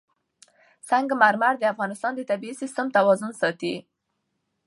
سنگ مرمر د افغانستان د طبعي سیسټم توازن ساتي.